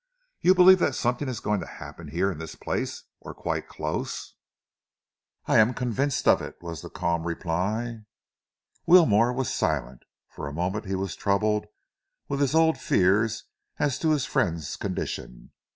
"You believe that something is going to happen here in this place, or quite close?" "I am convinced of it," was the calm reply. Wilmore was silent. For a moment he was troubled with his old fears as to his friend's condition.